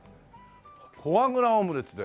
「フォアグラオムレツ」だよ。